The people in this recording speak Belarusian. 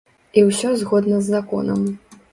І ўсё згодна з законам.